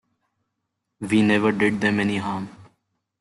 We never did them any harm.